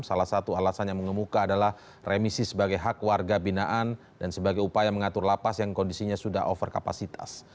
salah satu alasan yang mengemuka adalah remisi sebagai hak warga binaan dan sebagai upaya mengatur lapas yang kondisinya sudah over kapasitas